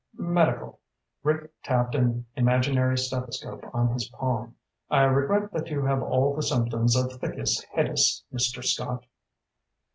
"Medical." Rick tapped an imaginary stethoscope on his palm. "I regret that you have all the symptoms of thickus headus, Mr. Scott."